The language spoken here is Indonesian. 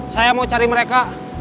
saya mau cari mereka